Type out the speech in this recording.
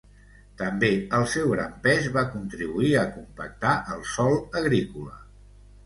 També el seu gran pes va contribuir a compactar el sòl agrícola.